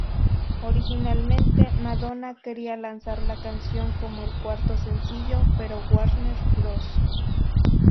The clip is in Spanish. Originalmente Madonna quería lanzar la canción como el cuarto sencillo, pero Warner Bros.